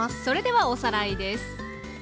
それではおさらいです。